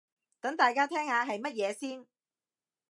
等大家聽下係乜嘢先